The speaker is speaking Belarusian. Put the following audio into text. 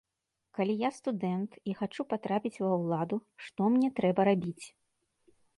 Калі я студэнт і хачу патрапіць ва ўладу, што мне трэба рабіць?